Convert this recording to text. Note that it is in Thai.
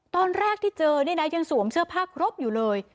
ตอนแรกที่เจอเนี่ยนะยังสวมเสื้อผ้าครบอยู่เลย